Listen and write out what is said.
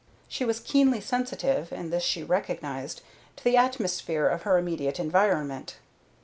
She was keenly sensitive and this she recognized to the atmosphere of her immediate environment.